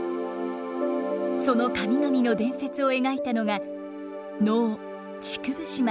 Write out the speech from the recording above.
その神々の伝説を描いたのが能「竹生島」です。